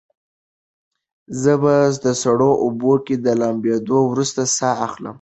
زه په سړو اوبو کې د لامبېدو وروسته ساه اخلم.